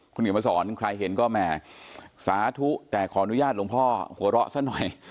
คุณเขียนมาสอนใครเห็นก็แหม่สาธุแต่ขออนุญาตหลวงพ่อหัวเราะซะหน่อย